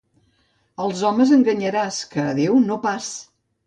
Als homes enganyaràs, que a Déu no pas.